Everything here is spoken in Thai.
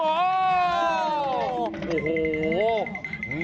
โอ้โห